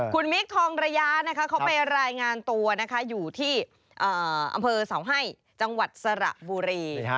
คุณมิคทองระยะนะคะเขาไปรายงานตัวนะคะอยู่ที่อำเภอเสาให้จังหวัดสระบุรี